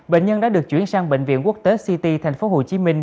bệnh nhân đã được chuyển sang bệnh viện quốc tế ct tp hcm